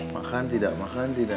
makan tidak makan tidak